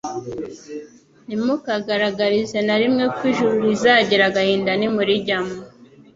Ntimukabagaragarize na rimwe ko ijuru rizagira agahinda nimurijyamo.